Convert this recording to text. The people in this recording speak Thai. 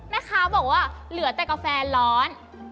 แม่ค้าบอกว่าเหลือแต่กาแฟร้อน